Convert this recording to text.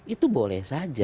itu boleh saja